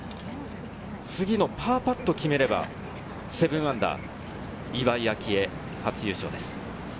次のパーパットを決めれば、−７、岩井明愛、初優勝です。